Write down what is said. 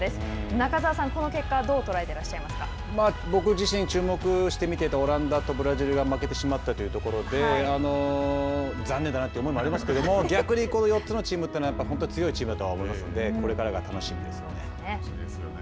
中澤さん、この結果は僕自身注目して見ていた、オランダとブラジルが負けてしまったというところで、残念だなという思いもありますけれども、逆にこの４つのチームというのは本当に強いチームだと思いますので、これからが楽しみですよね。